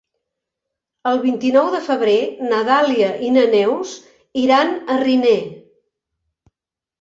El vint-i-nou de febrer na Dàlia i na Neus iran a Riner.